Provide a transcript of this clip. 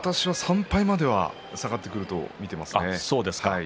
３敗までは下がってくると見ています。